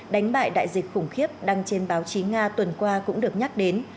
đánh bại đại dịch khủng khiếp đăng trên báo chí nga tuần qua cũng được nhắc đến